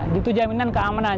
butuh jaminan keamanan